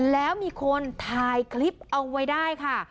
แล้วมีคนถ่ายคลิปเอาไว้ได้ค่ะ